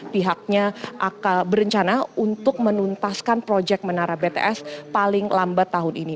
pihaknya akan berencana untuk menuntaskan proyek menara bts paling lambat tahun ini